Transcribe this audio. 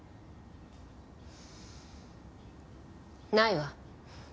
ないわ。